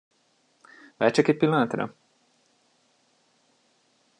Várj csak egy pillanatra!